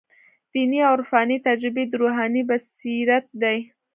دیني او عرفاني تجربې د روحاني بصیرت دي.